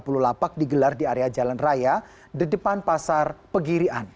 sepuluh lapak digelar di area jalan raya di depan pasar pegirian